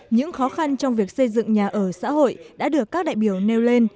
những khó khăn trong việc xây dựng nhà ở xã hội đã được các đại biểu nêu lên